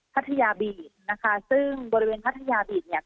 พัทยาบีดนะคะซึ่งบริเวณพัทยาบีดเนี่ย